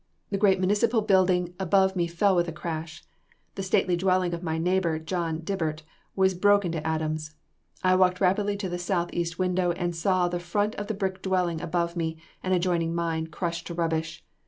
The great Municipal building above me fell with a crash. The stately dwelling of my neighbor, John Dibert, was broken to atoms. I walked rapidly to the southeast window, and saw the front of the brick dwelling above and adjoining mine, crushed to rubbish.